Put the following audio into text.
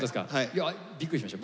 いやびっくりしました